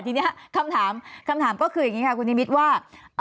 ทีนี้คำถามก็คืออย่างนี้ค่ะคุณอิมิดว่า